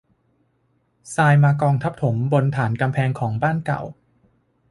ทรายมากองทับถมบนฐานกำแพงของบ้านเก่า